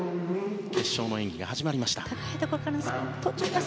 決勝の演技が始まりました。